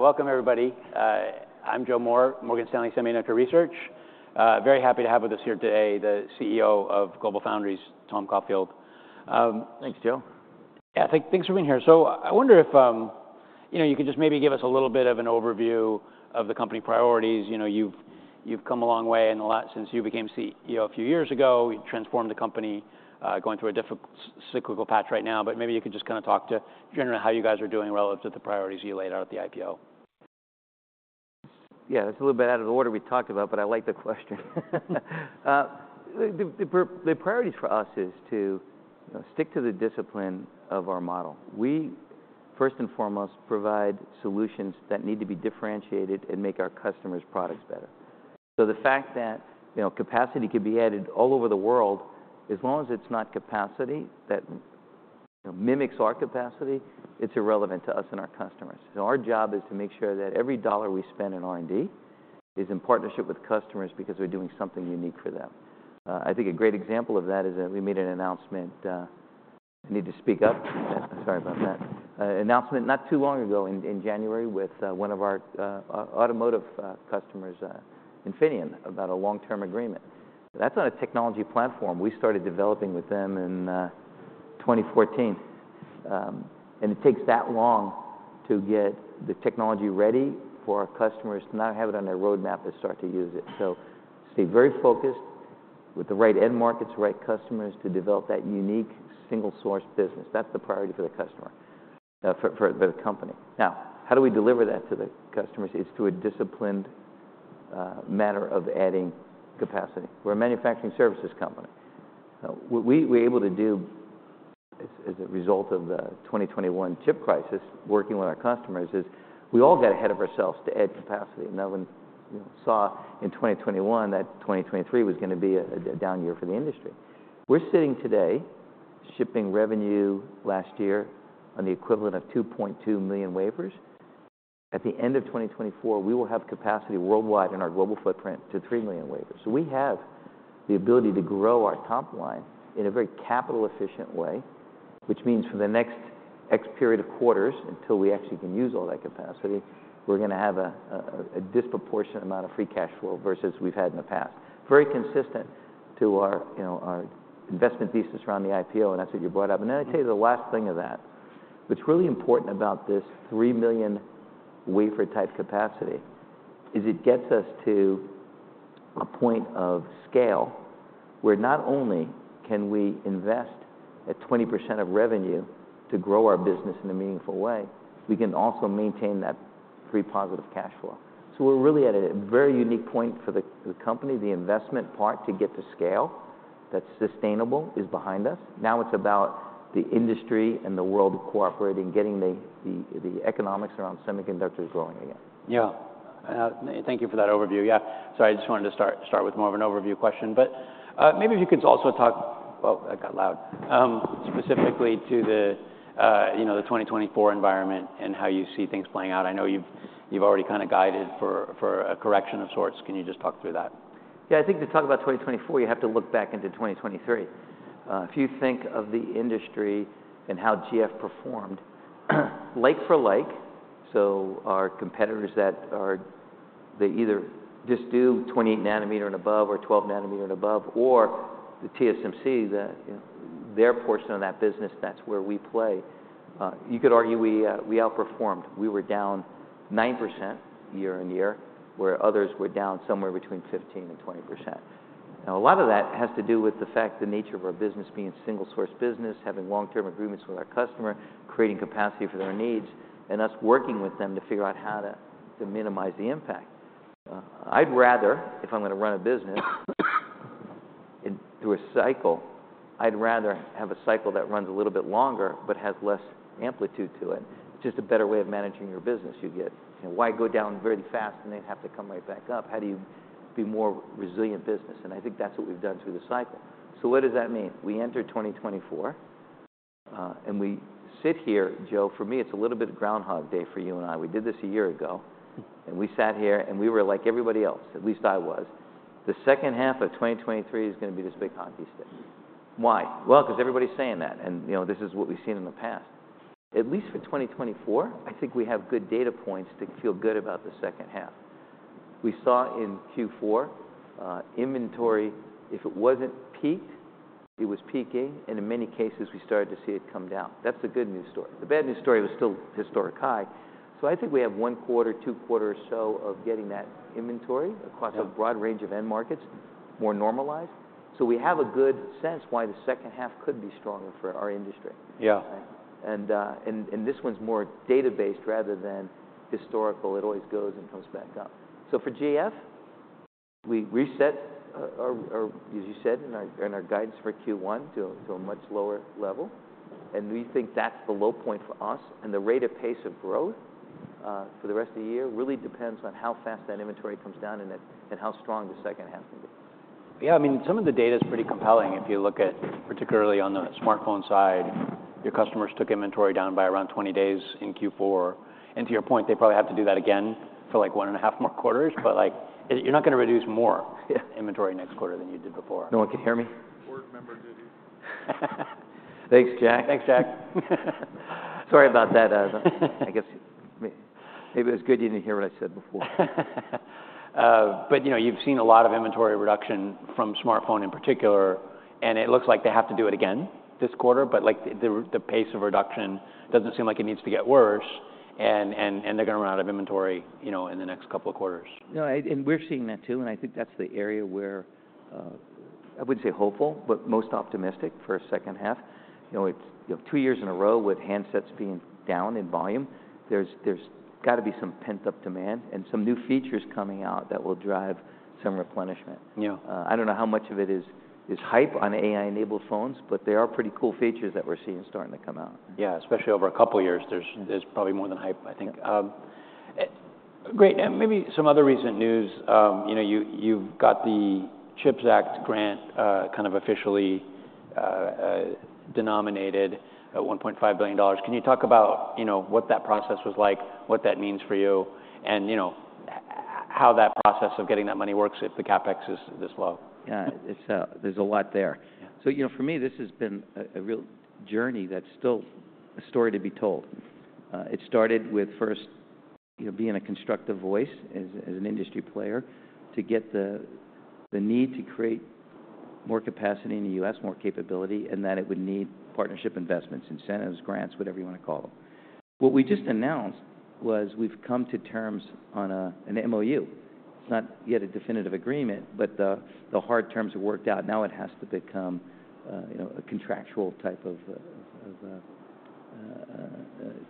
Welcome everybody. I'm Joe Moore, Morgan Stanley Semiconductor Research. Very happy to have with us here today the CEO of GlobalFoundries, Tom Caulfield. Thanks, Joe. Yeah, thanks for being here. So I wonder if, you know, you could just maybe give us a little bit of an overview of the company priorities. You know, you've come a long way in a lot since you became CEO a few years ago. You transformed the company, going through a difficult cyclical patch right now. But maybe you could just kinda talk in general how you guys are doing relative to the priorities you laid out at the IPO. Yeah, that's a little bit out of the order we talked about, but I like the question. The priorities for us is to, you know, stick to the discipline of our model. We, first and foremost, provide solutions that need to be differentiated and make our customers' products better. So the fact that, you know, capacity could be added all over the world, as long as it's not capacity that, you know, mimics our capacity, it's irrelevant to us and our customers. So our job is to make sure that every dollar we spend in R&D is in partnership with customers because we're doing something unique for them. I think a great example of that is that we made an announcement, I need to speak up. I'm sorry about that. Announcement not too long ago in January with one of our automotive customers, Infineon, about a long-term agreement. That's on a technology platform we started developing with them in 2014. It takes that long to get the technology ready for our customers to not have it on their roadmap to start to use it. So stay very focused with the right end markets, right customers to develop that unique single-source business. That's the priority for the customer, for the company. Now, how do we deliver that to the customers? It's through a disciplined matter of adding capacity. We're a manufacturing services company. We're able to do as a result of the 2021 chip crisis, working with our customers, is we all got ahead of ourselves to add capacity. No one, you know, saw in 2021 that 2023 was gonna be a down year for the industry. We're sitting today shipping revenue last year on the equivalent of 2.2 million wafers. At the end of 2024, we will have capacity worldwide in our global footprint to 3 million wafers. So we have the ability to grow our top line in a very capital-efficient way, which means for the next X period of quarters until we actually can use all that capacity, we're gonna have a disproportionate amount of free cash flow versus we've had in the past. Very consistent to our, you know, our investment thesis around the IPO, and that's what you brought up. And then I tell you the last thing of that. What's really important about this 3 million wafer-type capacity is it gets us to a point of scale where not only can we invest at 20% of revenue to grow our business in a meaningful way, we can also maintain that free positive cash flow. So we're really at a very unique point for the company, the investment part to get to scale that's sustainable is behind us. Now it's about the industry and the world cooperating, getting the economics around semiconductors growing again. Yeah. Thank you for that overview. Yeah. Sorry, I just wanted to start with more of an overview question. But, maybe if you could also talk well, I got loud, specifically to the, you know, the 2024 environment and how you see things playing out. I know you've already kinda guided for a correction of sorts. Can you just talk through that? Yeah, I think to talk about 2024, you have to look back into 2023. If you think of the industry and how GF performed, like for like, so our competitors that are they either just do 28 nanometer and above or 12 nanometer and above or the TSMC, the, you know, their portion of that business, that's where we play. You could argue we, we outperformed. We were down 9% year-on-year where others were down somewhere between 15%-20%. Now, a lot of that has to do with the fact, the nature of our business being a single-source business, having long-term agreements with our customer, creating capacity for their needs, and us working with them to figure out how to, to minimize the impact. I'd rather if I'm gonna run a business in through a cycle, I'd rather have a cycle that runs a little bit longer but has less amplitude to it. It's just a better way of managing your business. You get, you know, why go down very fast and then have to come right back up? How do you be more resilient business? I think that's what we've done through the cycle. What does that mean? We entered 2024, and we sit here, Joe, for me, it's a little bit of Groundhog Day for you and I. We did this a year ago. We sat here and we were like everybody else. At least I was. The second half of 2023 is gonna be this big hockey stick. Why? Well, 'cause everybody's saying that. You know, this is what we've seen in the past. At least for 2024, I think we have good data points to feel good about the second half. We saw in Q4 inventory, if it wasn't peaked, it was peaking. In many cases, we started to see it come down. That's the good news story. The bad news story was still historically high. I think we have one quarter, two quarters or so of getting that inventory across a broad range of end markets more normalized. We have a good sense why the second half could be stronger for our industry. Yeah. Right? And this one's more data-based rather than historical. It always goes and comes back up. So for GF, we reset our, as you said, in our guidance for Q1 to a much lower level. And we think that's the low point for us. And the rate of pace of growth for the rest of the year really depends on how fast that inventory comes down and how strong the second half can be. Yeah, I mean, some of the data's pretty compelling. If you look at particularly on the smartphone side, your customers took inventory down by around 20 days in Q4. And to your point, they probably have to do that again for like 1.5 more quarters. But, like, you're not gonna reduce more inventory next quarter than you did before. No one can hear me? Board operator? Thanks, Jack. Thanks, Jack. Sorry about that. I guess maybe it was good you didn't hear what I said before. But you know, you've seen a lot of inventory reduction from smartphone in particular. And it looks like they have to do it again this quarter. But like, the pace of reduction doesn't seem like it needs to get worse. And they're gonna run out of inventory, you know, in the next couple of quarters. No, and we're seeing that too. And I think that's the area where, I wouldn't say hopeful, but most optimistic for a second half. You know, it's, you know, two years in a row with handsets being down in volume, there's, there's gotta be some pent-up demand and some new features coming out that will drive some replenishment. Yeah. I don't know how much of it is hype on AI-enabled phones, but they are pretty cool features that we're seeing starting to come out. Yeah, especially over a couple of years, there's probably more than hype, I think. Great. And maybe some other recent news. You know, you, you've got the CHIPS Act grant, kind of officially, denominated at $1.5 billion. Can you talk about, you know, what that process was like, what that means for you, and, you know, how that process of getting that money works if the CapEx is this low? Yeah, it's, there's a lot there. So, you know, for me, this has been a, a real journey that's still a story to be told. It started with first, you know, being a constructive voice as, as an industry player to get the, the need to create more capacity in the U.S., more capability, and that it would need partnership investments, incentives, grants, whatever you wanna call them. What we just announced was we've come to terms on an MOU. It's not yet a definitive agreement, but the, the hard terms have worked out. Now it has to become, you know, a contractual type of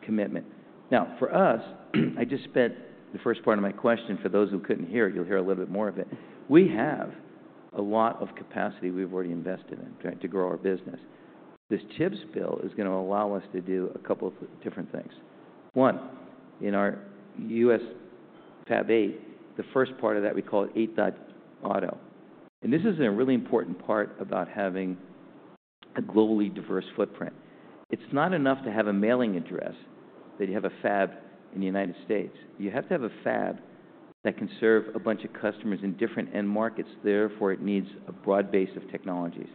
commitment. Now, for us, I just spent the first part of my question for those who couldn't hear. You'll hear a little bit more of it. We have a lot of capacity we've already invested in, right, to grow our business. This CHIPS bill is gonna allow us to do a couple of different things. One, in our U.S. Fab 8, the first part of that, we call it 8.0 Auto. And this is a really important part about having a globally diverse footprint. It's not enough to have a mailing address that you have a fab in the United States. You have to have a fab that can serve a bunch of customers in different end markets. Therefore, it needs a broad base of technologies.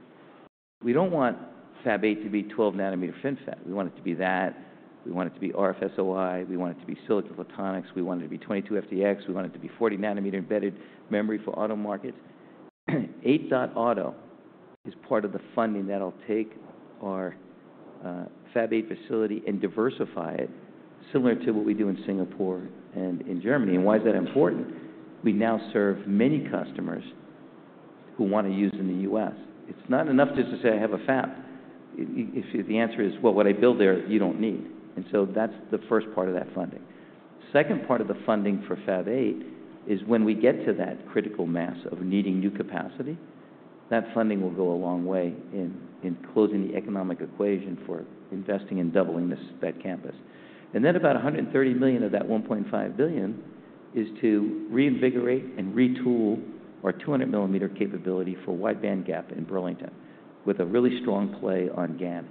We don't want Fab 8 to be 12 nanometer FinFET. We want it to be that. We want it to be RF SOI. We want it to be silicon photonics. We want it to be 22FDX. We want it to be 40 nanometer embedded memory for auto markets. 8.0 Auto is part of the funding that'll take our Fab 8 facility and diversify it similar to what we do in Singapore and in Germany. Why is that important? We now serve many customers who wanna use in the U.S. It's not enough just to say, "I have a fab." If the answer is, "Well, what I build there, you don't need." So that's the first part of that funding. Second part of the funding for Fab 8 is when we get to that critical mass of needing new capacity, that funding will go a long way in closing the economic equation for investing in doubling that campus. Then about $130 million of that $1.5 billion is to reinvigorate and retool our 200-mm capability for wide-bandgap in Burlington with a really strong play on GaN.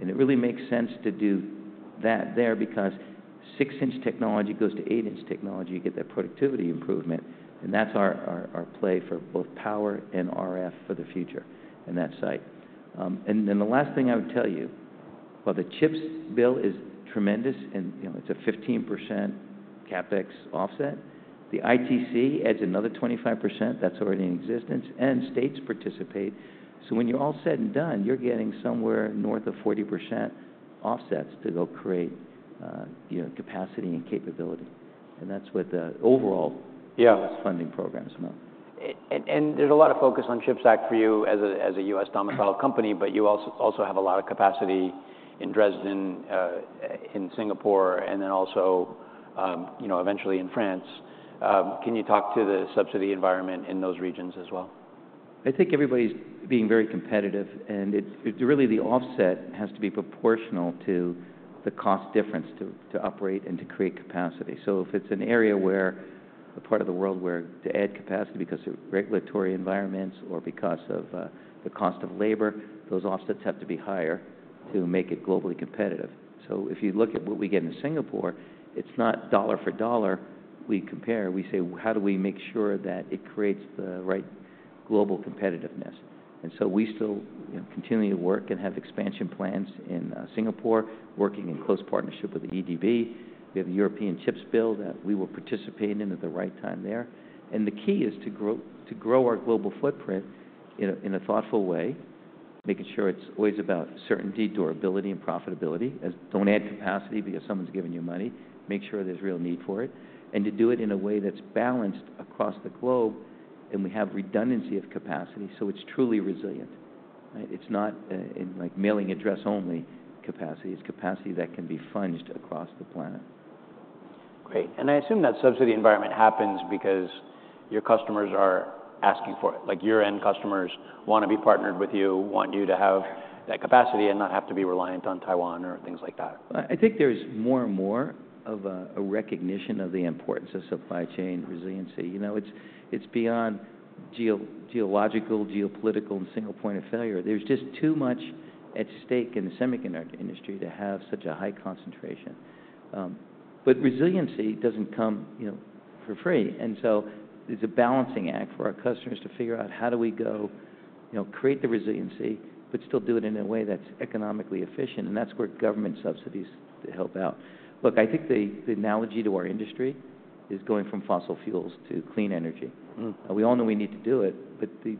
And it really makes sense to do that there because 6-inch technology goes to 8-inch technology. You get that productivity improvement. And that's our play for both power and RF for the future in that site. And then the last thing I would tell you, while the CHIPS bill is tremendous and, you know, it's a 15% CapEx offset, the ITC adds another 25%. That's already in existence. And states participate. So when you're all said and done, you're getting somewhere north of 40% offsets to go create, you know, capacity and capability. And that's what the overall. Yeah. Funding program is about. There's a lot of focus on CHIPS Act for you as a U.S. domiciled company, but you also have a lot of capacity in Dresden, in Singapore, and then also, you know, eventually in France. Can you talk to the subsidy environment in those regions as well? I think everybody's being very competitive. And it really the offset has to be proportional to the cost difference to, to operate and to create capacity. So if it's an area where a part of the world where to add capacity because of regulatory environments or because of, the cost of labor, those offsets have to be higher to make it globally competitive. So if you look at what we get in Singapore, it's not dollar for dollar. We compare. We say, "How do we make sure that it creates the right global competitiveness?" And so we still, you know, continue to work and have expansion plans in, Singapore, working in close partnership with the EDB. We have the European CHIPS bill that we will participate in at the right time there. The key is to grow our global footprint in a thoughtful way, making sure it's always about certainty, durability, and profitability as don't add capacity because someone's giving you money. Make sure there's real need for it. To do it in a way that's balanced across the globe and we have redundancy of capacity so it's truly resilient. Right? It's not, like, mailing address only capacity. It's capacity that can be found across the planet. Great. I assume that subsidy environment happens because your customers are asking for it. Like, your end customers wanna be partnered with you, want you to have that capacity and not have to be reliant on Taiwan or things like that. I think there's more and more of a recognition of the importance of supply chain resiliency. You know, it's beyond geopolitical and single point of failure. There's just too much at stake in the semiconductor industry to have such a high concentration. But resiliency doesn't come, you know, for free. And so there's a balancing act for our customers to figure out how do we go, you know, create the resiliency but still do it in a way that's economically efficient. And that's where government subsidies help out. Look, I think the analogy to our industry is going from fossil fuels to clean energy. Mm-hmm. We all know we need to do it, but the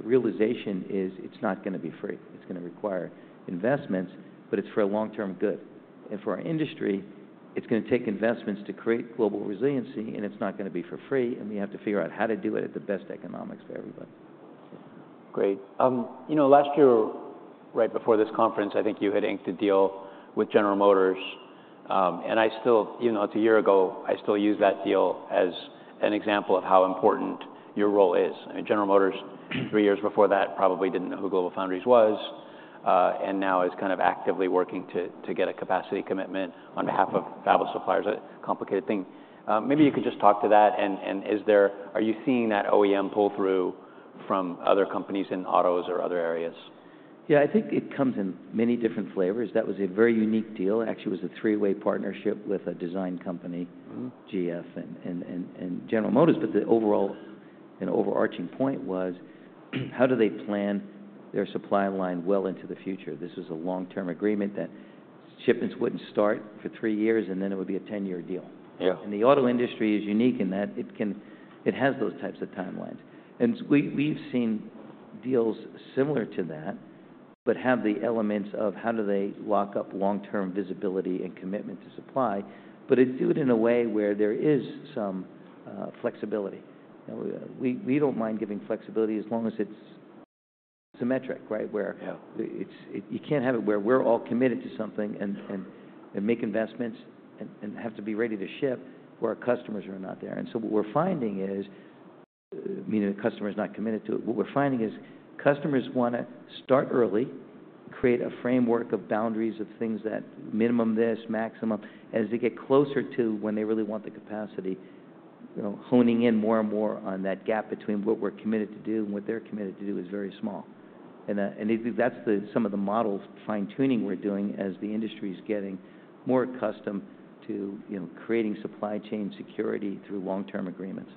realization is it's not gonna be free. It's gonna require investments, but it's for a long-term good. And for our industry, it's gonna take investments to create global resiliency, and it's not gonna be for free. And we have to figure out how to do it at the best economics for everybody. Great. You know, last year, right before this conference, I think you had inked a deal with General Motors. And I still, even though it's a year ago, I still use that deal as an example of how important your role is. I mean, General Motors, three years before that, probably didn't know who GlobalFoundries was, and now is kind of actively working to get a capacity commitment on behalf of fabless suppliers. A complicated thing. Maybe you could just talk to that. And is there – are you seeing that OEM pull through from other companies in autos or other areas? Yeah, I think it comes in many different flavors. That was a very unique deal. It actually was a three-way partnership with a design company. Mm-hmm. GF and General Motors. But the overall, you know, overarching point was how do they plan their supply line well into the future? This was a long-term agreement that shipments wouldn't start for three years, and then it would be a 10-year deal. Yeah. The auto industry is unique in that it can, it has those types of timelines. We've seen deals similar to that but have the elements of how do they lock up long-term visibility and commitment to supply, but do it in a way where there is some flexibility. You know, we don't mind giving flexibility as long as it's symmetric, right, where. Yeah. is that you can't have it where we're all committed to something and make investments and have to be ready to ship where our customers are not there. And so what we're finding is, I mean, the customer's not committed to it. What we're finding is customers wanna start early, create a framework of boundaries of things that minimum this, maximum. As they get closer to when they really want the capacity, you know, honing in more and more on that gap between what we're committed to do and what they're committed to do is very small. And I think that's some of the model fine-tuning we're doing as the industry's getting more accustomed to, you know, creating supply chain security through long-term agreements.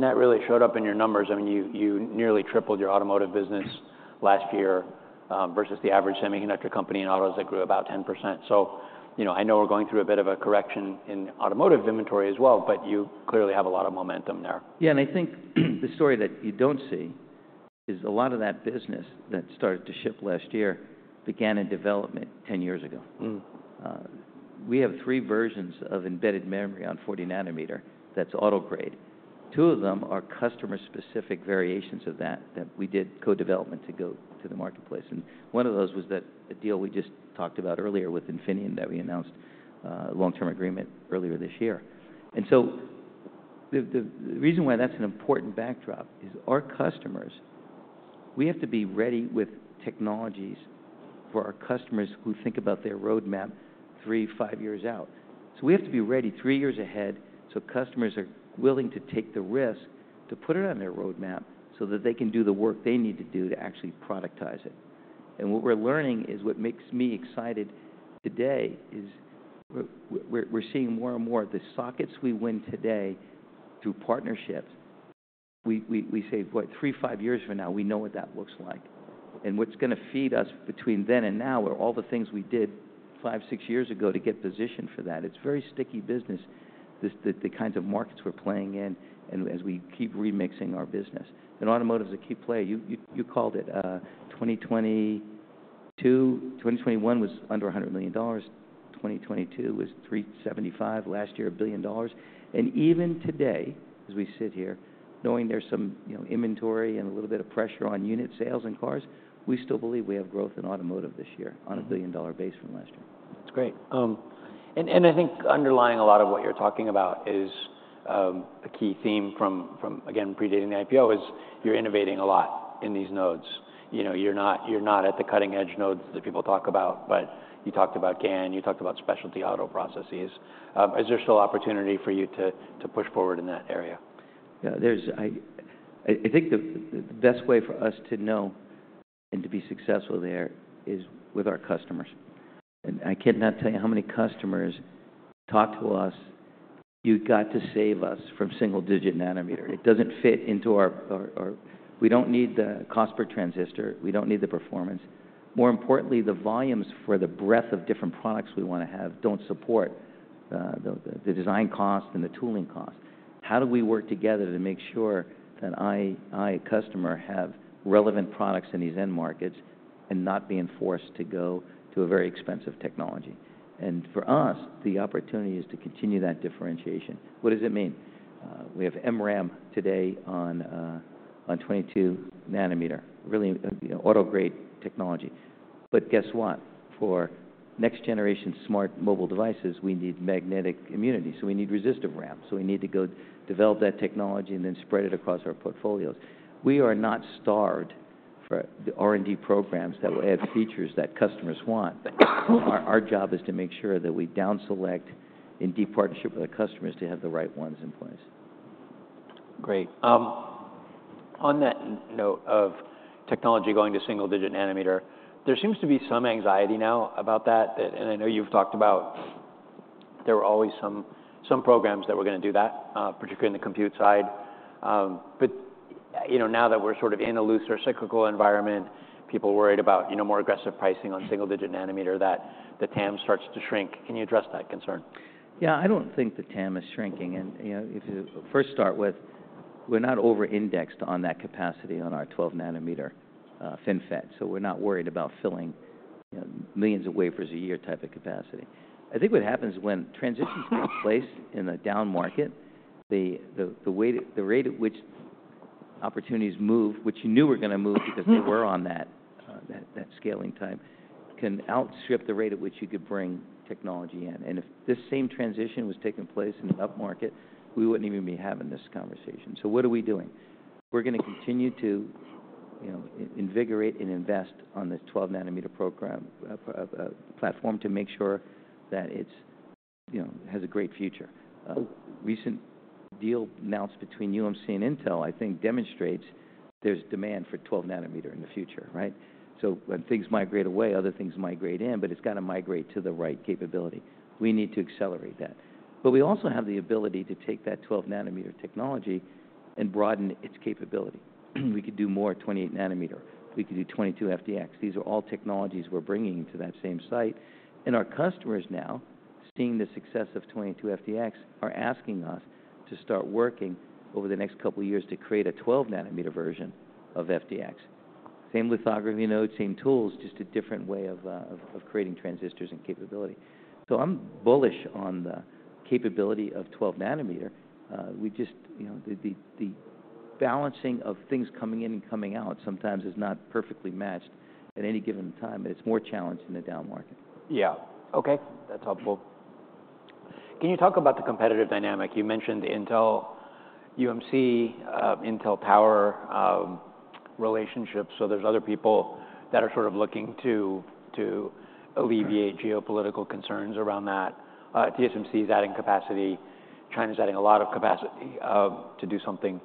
That really showed up in your numbers. I mean, you nearly tripled your automotive business last year, versus the average semiconductor company in autos that grew about 10%. So, you know, I know we're going through a bit of a correction in automotive inventory as well, but you clearly have a lot of momentum there. Yeah, and I think the story that you don't see is a lot of that business that started to ship last year began in development 10 years ago. Mm-hmm. We have three versions of embedded memory on 40nm that's auto-grade. Two of them are customer-specific variations of that that we did co-development to go to the marketplace. And one of those was that a deal we just talked about earlier with Infineon that we announced, a long-term agreement earlier this year. And so the, the, the reason why that's an important backdrop is our customers we have to be ready with technologies for our customers who think about their roadmap three, five years out. So we have to be ready three years ahead so customers are willing to take the risk to put it on their roadmap so that they can do the work they need to do to actually productize it. What we're learning is what makes me excited today is we're seeing more and more the sockets we win today through partnerships, we say, "Wait, 3-5 years from now, we know what that looks like." And what's gonna feed us between then and now are all the things we did 5-6 years ago to get positioned for that. It's very sticky business, this, the kinds of markets we're playing in and as we keep remixing our business. And automotive's a key player. You called it, 2022. 2021 was under $100 million. 2022 was $375 million. Last year, $1 billion. And even today, as we sit here, knowing there's some, you know, inventory and a little bit of pressure on unit sales and cars, we still believe we have growth in automotive this year on a $1 billion base from last year. That's great. And I think underlying a lot of what you're talking about is a key theme from, from again, predating the IPO: you're innovating a lot in these nodes. You know, you're not at the cutting-edge nodes that people talk about, but you talked about GAN. You talked about specialty auto processes. Is there still opportunity for you to push forward in that area? Yeah, there's. I think the best way for us to know and to be successful there is with our customers. And I cannot tell you how many customers talk to us, "You've got to save us from single-digit nanometer. It doesn't fit into our we don't need the cost per transistor. We don't need the performance." More importantly, the volumes for the breadth of different products we wanna have don't support the design cost and the tooling cost. How do we work together to make sure that I, a customer have relevant products in these end markets and not being forced to go to a very expensive technology? And for us, the opportunity is to continue that differentiation. What does it mean? We have MRAM today on 22 nanometer, really, you know, auto-grade technology. But guess what? For next-generation smart mobile devices, we need magnetic immunity. So we need Resistive RAM. So we need to go develop that technology and then spread it across our portfolios. We are not starved for the R&D programs that will add features that customers want. Our, our job is to make sure that we downselect in deep partnership with our customers to have the right ones in place. Great. On that note of technology going to single-digit nanometer, there seems to be some anxiety now about that that and I know you've talked about there were always some, some programs that were gonna do that, particularly in the compute side. But, you know, now that we're sort of in a looser cyclical environment, people worried about, you know, more aggressive pricing on single-digit nanometer, that the TAM starts to shrink. Can you address that concern? Yeah, I don't think the TAM is shrinking. And, you know, if you first start with, we're not over-indexed on that capacity on our 12 nanometer, FinFET. So we're not worried about filling, you know, millions of wafers a year type of capacity. I think what happens when transitions take place in the down market, the way the rate at which opportunities move, which you knew were gonna move because they were on that scaling time, can outstrip the rate at which you could bring technology in. And if this same transition was taking place in the up market, we wouldn't even be having this conversation. So what are we doing? We're gonna continue to, you know, invigorate and invest on the 12 nanometer program, platform to make sure that it's, you know, has a great future. Recent deal announced between UMC and Intel, I think, demonstrates there's demand for 12 nanometer in the future, right? So when things migrate away, other things migrate in, but it's gotta migrate to the right capability. We need to accelerate that. But we also have the ability to take that 12 nanometer technology and broaden its capability. We could do more 28 nanometer. We could do 22FDX. These are all technologies we're bringing to that same site. And our customers now, seeing the success of 22FDX, are asking us to start working over the next couple of years to create a 12 nanometer version of FDX. Same lithography node, same tools, just a different way of creating transistors and capability. So I'm bullish on the capability of 12 nanometer. We just, you know, the balancing of things coming in and coming out sometimes is not perfectly matched at any given time, and it's more challenging in the down market. Yeah. Okay. That's helpful. Can you talk about the competitive dynamic? You mentioned Intel, UMC, Intel Power, relationships. So there's other people that are sort of looking to alleviate geopolitical concerns around that. TSMC's adding capacity. China's adding a lot of capacity, to do something.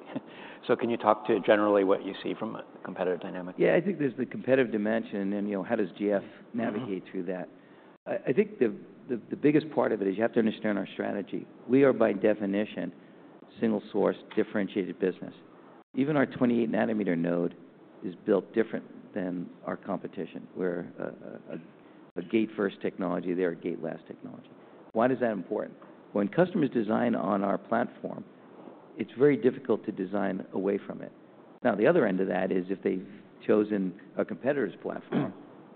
So can you talk to generally what you see from a competitive dynamic? Yeah, I think there's the competitive dimension and, you know, how does GF navigate through that? I think the biggest part of it is you have to understand our strategy. We are, by definition, single-source, differentiated business. Even our 28nm node is built different than our competition. We're a gate-first technology. They're a gate-last technology. Why is that important? When customers design on our platform, it's very difficult to design away from it. Now, the other end of that is if they've chosen a competitor's platform,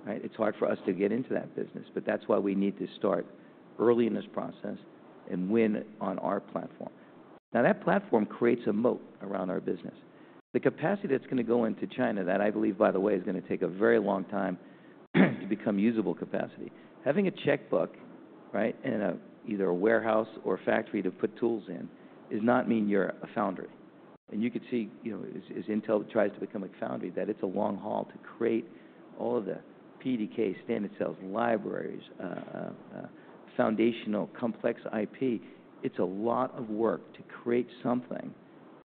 right, it's hard for us to get into that business. But that's why we need to start early in this process and win on our platform. Now, that platform creates a moat around our business. The capacity that's gonna go into China that I believe, by the way, is gonna take a very long time to become usable capacity. Having a checkbook, right, in either a warehouse or a factory to put tools in does not mean you're a foundry. And you could see, you know, as Intel tries to become a foundry, that it's a long haul to create all of the PDK, standard cells, libraries, foundational complex IP. It's a lot of work to create something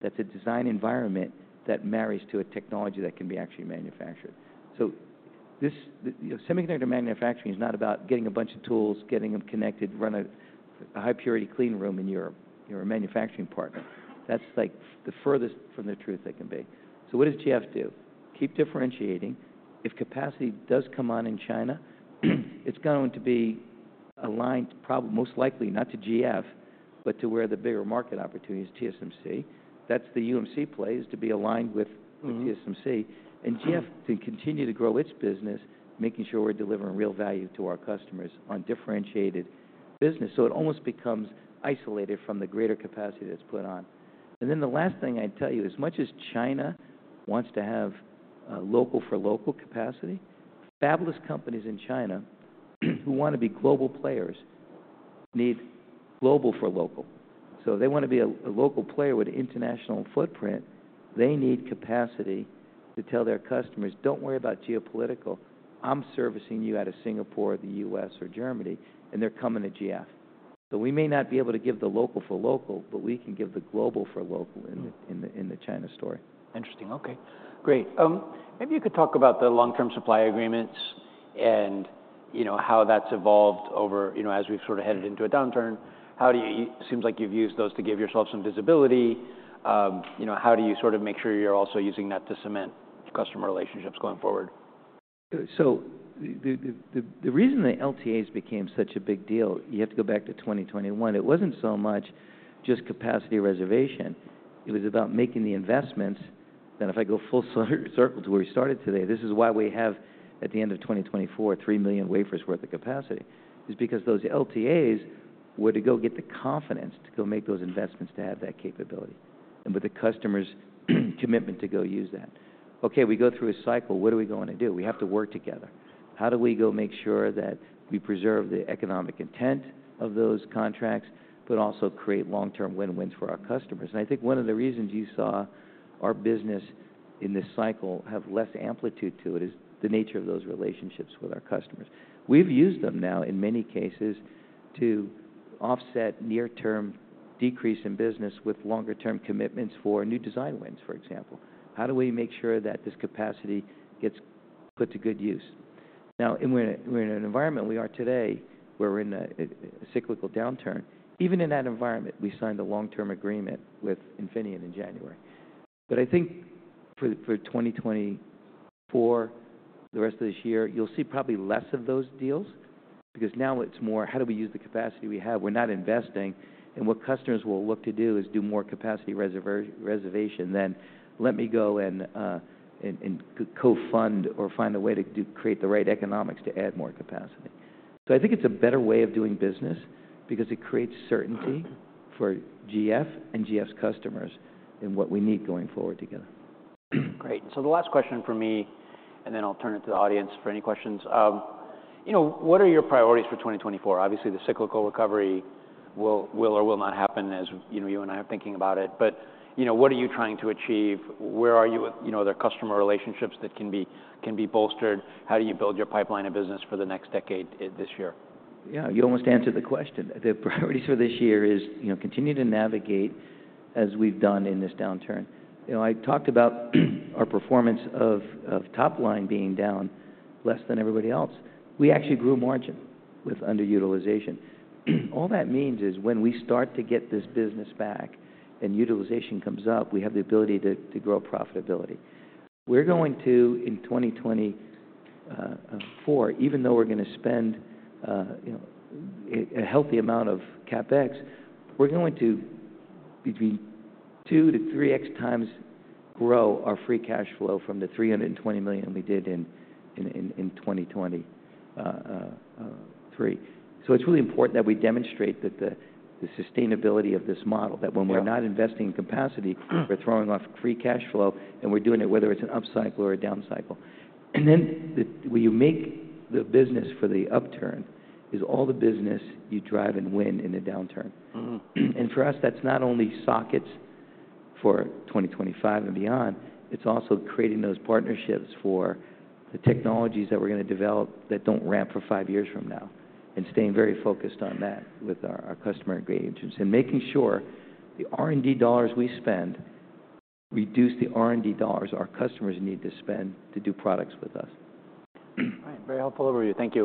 that's a design environment that marries to a technology that can be actually manufactured. So this, the, you know, semiconductor manufacturing is not about getting a bunch of tools, getting them connected, running a high-purity clean room in your manufacturing partner. That's, like, the furthest from the truth it can be. So what does GF do? Keep differentiating. If capacity does come on in China, it's going to be aligned probably most likely not to GF but to where the bigger market opportunity is, TSMC. That's the UMC play, is to be aligned with, with TSMC. And GF can continue to grow its business, making sure we're delivering real value to our customers on differentiated business. So it almost becomes isolated from the greater capacity that's put on. And then the last thing I'd tell you, as much as China wants to have, local-for-local capacity, fabless companies in China who wanna be global players need global-for-local. So they wanna be a, a local player with an international footprint. They need capacity to tell their customers, "Don't worry about geopolitical. I'm servicing you out of Singapore, the U.S., or Germany." And they're coming to GF. So we may not be able to give the local-for-local, but we can give the global-for-local in the China story. Interesting. Okay. Great. Maybe you could talk about the long-term supply agreements and, you know, how that's evolved over, you know, as we've sort of headed into a downturn. How do you. It seems like you've used those to give yourself some visibility. You know, how do you sort of make sure you're also using that to cement customer relationships going forward? So the reason the LTAs became such a big deal, you have to go back to 2021. It wasn't so much just capacity reservation. It was about making the investments. Then if I go full circle to where we started today, this is why we have, at the end of 2024, 3 million wafers' worth of capacity, is because those LTAs were to go get the confidence to go make those investments to have that capability and with the customer's commitment to go use that. Okay, we go through a cycle. What are we going to do? We have to work together. How do we go make sure that we preserve the economic intent of those contracts but also create long-term win-wins for our customers? I think one of the reasons you saw our business in this cycle have less amplitude to it is the nature of those relationships with our customers. We've used them now, in many cases, to offset near-term decrease in business with longer-term commitments for new design wins, for example. How do we make sure that this capacity gets put to good use? Now, we're in an environment where we are today, a cyclical downturn. Even in that environment, we signed a long-term agreement with Infineon in January. But I think for 2024, the rest of this year, you'll see probably less of those deals because now it's more, "How do we use the capacity we have? We're not investing." And what customers will look to do is do more capacity reservation than, "Let me go and co-fund or find a way to create the right economics to add more capacity." So I think it's a better way of doing business because it creates certainty for GF and GF's customers in what we need going forward together. Great. And so the last question for me, and then I'll turn it to the audience for any questions. You know, what are your priorities for 2024? Obviously, the cyclical recovery will, will or will not happen as, you know, you and I are thinking about it. But, you know, what are you trying to achieve? Where are you with, you know, are there customer relationships that can be can be bolstered? How do you build your pipeline of business for the next decade this year? Yeah, you almost answered the question. The priorities for this year is, you know, continue to navigate as we've done in this downturn. You know, I talked about our performance of top line being down less than everybody else. We actually grew margin with underutilization. All that means is when we start to get this business back and utilization comes up, we have the ability to grow profitability. We're going to, in 2024, even though we're gonna spend, you know, a healthy amount of CapEx, we're going to between 2-3x times grow our free cash flow from the $320 million we did in 2023. So it's really important that we demonstrate that the sustainability of this model, that when we're not investing in capacity, we're throwing off free cash flow, and we're doing it whether it's an upcycle or a downcycle. And then the where you make the business for the upturn is all the business you drive and win in the downturn. Mm-hmm. For us, that's not only sockets for 2025 and beyond. It's also creating those partnerships for the technologies that we're gonna develop that don't ramp for five years from now and staying very focused on that with our customer engagement and making sure the R&D dollars we spend reduce the R&D dollars our customers need to spend to do products with us. All right. Very helpful. Over to you, Keith.